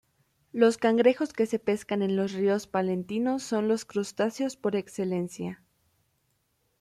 Los cangrejos que se pescan en los ríos palentinos son los crustáceos por excelencia.